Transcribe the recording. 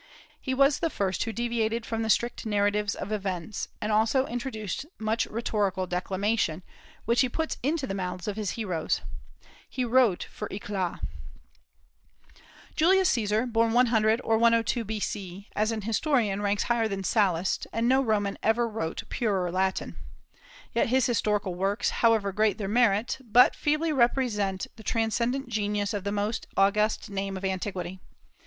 He was the first who deviated from the strict narratives of events, and also introduced much rhetorical declamation, which he puts into the mouths of his heroes. He wrote for éclat. Julius Caesar, born 100 or 102 B.C., as an historian ranks higher than Sallust, and no Roman ever wrote purer Latin. Yet his historical works, however great their merit, but feebly represent the transcendent genius of the most august name of antiquity.